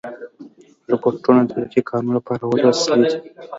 روبوټونه د دقیق کارونو لپاره غوره وسیلې دي.